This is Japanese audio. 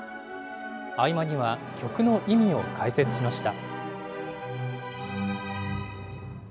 合間には曲の意味を解説しました。